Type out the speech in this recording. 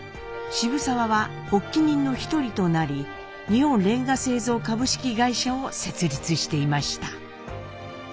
渋沢は発起人の一人となり日本煉瓦製造株式会社を設立していました。